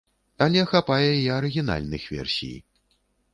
Але хапае і арыгінальных версій.